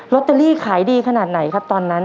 ตเตอรี่ขายดีขนาดไหนครับตอนนั้น